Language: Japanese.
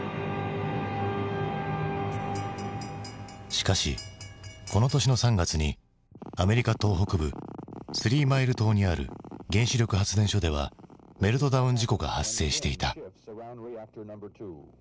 しかしこの年の３月にアメリカ東北部スリーマイル島にある原子力発電所ではメルトダウン事故が発生していた。